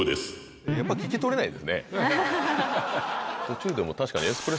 途中でもう確かに。